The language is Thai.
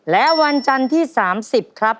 และวันจันทร์ที่๓๐ครับ